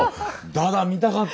ダダ見たかった。